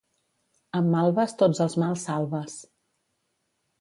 Amb malves tots els mals salves.